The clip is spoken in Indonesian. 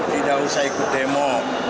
tidak usah ikut demo